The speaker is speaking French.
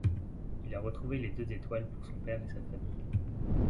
Il a retrouvé les deux étoiles pour son père et sa famille.